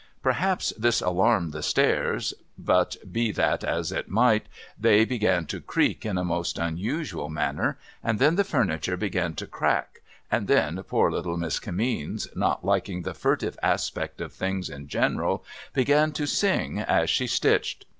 Perhaps this alarmed the stairs : but be that as it might, they began to creak in a most unusual manner, and then the furniture began to crack, and then poor little Miss Kimmeens, not liking the furtive aspect of things in general, began to sing as she stitched.